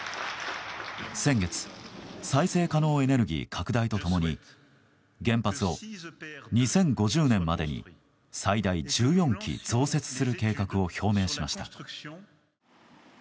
先月再生可能エネルギー拡大と共に原発を２０５０年までに最大１４基増設する計画を表明しました。